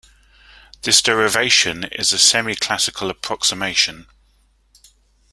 This derivation is a semi-classical approximation.